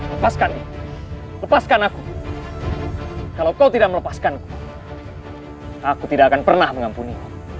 lepaskan lepaskan aku kalau kau tidak melepaskanku aku tidak akan pernah mengampuni